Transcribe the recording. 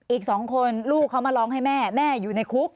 อีก๒คนลูกเขามาร้องให้แม่แม่อยู่ในคุก